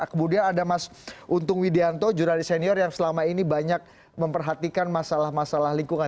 kemudian ada mas untung widianto jurnalis senior yang selama ini banyak memperhatikan masalah masalah lingkungan